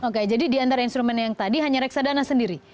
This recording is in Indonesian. oke jadi diantara instrumen yang tadi hanya reksadana sendiri